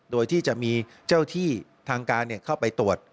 โดยที่จะมีเจ้าที่ทางการเข้าไปตรวจ